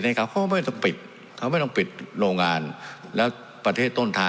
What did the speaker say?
สวัสดีสวัสดีสวัสดี